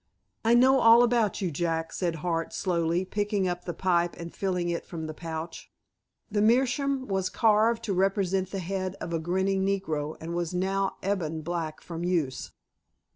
"I know all about you, Jack," said Hart slowly, picking up the pipe and filling it from the pouch. The meerschaum was carved to represent the head of a grinning negro, and was now ebon black from use.